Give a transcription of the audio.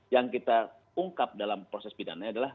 yang kita ungkap dalam proses pidana adalah